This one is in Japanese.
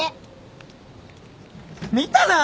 見たな！